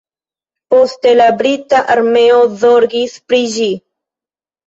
Poste la brita armeo zorgis pri ĝi.